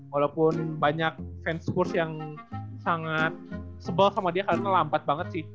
walaupun banyak fans kurs yang sangat sebel sama dia karena lampat banget sih